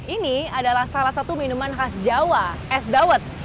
ini adalah salah satu minuman khas jawa es dawet